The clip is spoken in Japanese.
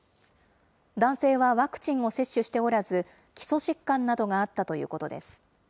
男性はワクチンを接種しておらず、基礎疾患などがあったということです。